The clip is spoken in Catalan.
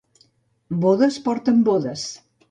Bodes porten bodes.